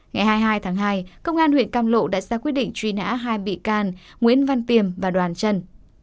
ngày hai mươi hai tháng hai công an huyện cam lộ đã ra quyết định truy nã hai bị can nguyễn văn tiềm và đoàn chân